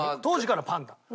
当時からパンダ。